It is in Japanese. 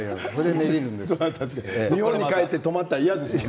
日本に帰って止まったら嫌ですよね。